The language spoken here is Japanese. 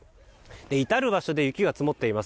至る場所で雪が積もっています。